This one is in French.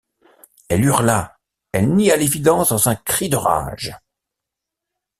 Elle hurla, elle nia l’évidence dans un cri de rage.